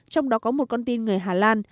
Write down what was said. trong đó có một con tin người hà lan